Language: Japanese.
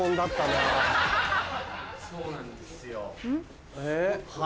・そうなんですよ・え？